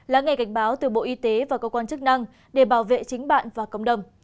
là ngày cảnh báo từ bộ y tế và cơ quan chức năng để bảo vệ chính bạn và cộng đồng